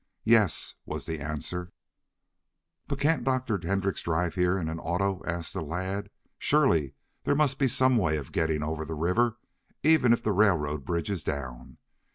"Yes," was the answer. "But can't Dr. Hendrix drive here in an auto?" asked the lad. "Surely there must be some way of getting over the river, even if the railroad bridge is down.